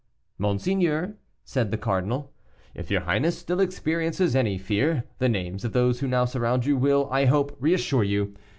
"Monseigneur," said the cardinal, "if your highness still experiences any fear, the names of those who now surround you will, I hope, reassure you.